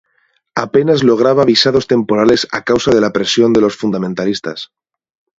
Apenas lograba visados temporales a causa de la presión de los fundamentalistas.